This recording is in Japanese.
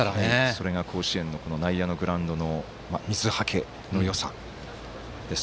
それが甲子園のこの内野のグラウンドの水はけのよさです。